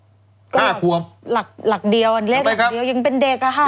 หลักเดียวอันเล็กยังเป็นเด็กอะครับ